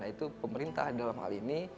nah itu pemerintah dalam hal ini